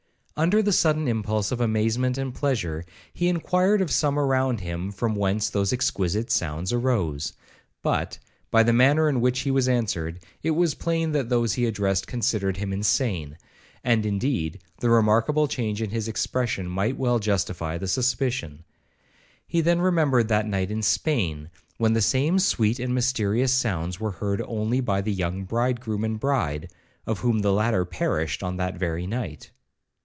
Under the sudden impulse of amazement and pleasure, he inquired of some around him from whence those exquisite sounds arose. But, by the manner in which he was answered, it was plain that those he addressed considered him insane; and, indeed, the remarkable change in his expression might well justify the suspicion. He then remembered that night in Spain, when the same sweet and mysterious sounds were heard only by the young bridegroom and bride, of whom the latter perished on that very night.